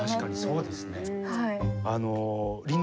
確かにそうですね。